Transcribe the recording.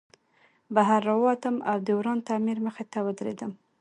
بهر راووتم او د وران تعمیر مخې ته ودرېدم